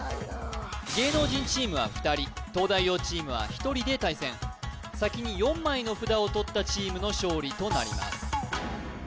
芸能人チームは２人東大王チームは１人で対戦先に４枚の札をとったチームの勝利となります